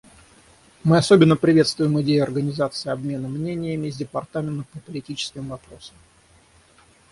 Мы особенно приветствуем идею организации обмена мнениями с Департаментом по политическим вопросам.